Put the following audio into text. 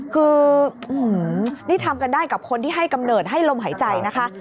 คือนี่ทำกันได้กับคนที่ให้กำเนิดให้ลมหายใจนะคะ